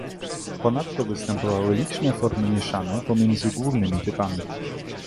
Ponadto występowały liczne formy mieszane pomiędzy głównymi typami.